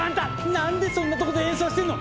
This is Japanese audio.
なんでそんなとこで演奏してんの！